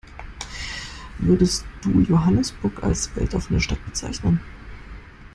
Würdest du Johannesburg als weltoffene Stadt bezeichnen?